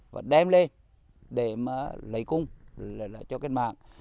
và đem lên để mà lấy cung cho kết mạng